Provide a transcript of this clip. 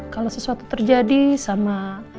kalo sesuatu terjadi sama